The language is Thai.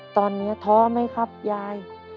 ตอนนี้ท้อไหมครับยาย